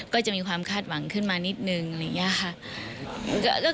ก็จะมีความคาดหวังขึ้นมานิดนึงอะไรอย่างนี้ค่ะ